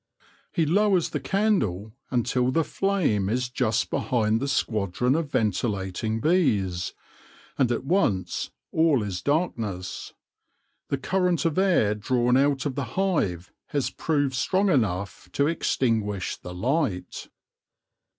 He lowers the candle until the flame is just AT THE CITY GATES 43 behind the squadron of ventilating bees, and at once all is darkness : the current of air drawn out of the hive has proved strong enough to extinguish the light.